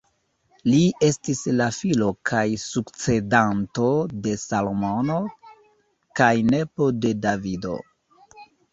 Li estis la filo kaj sukcedanto de Salomono kaj nepo de Davido.